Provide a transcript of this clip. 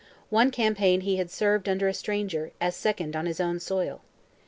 One campaign he had served under a stranger, as second on his own soil.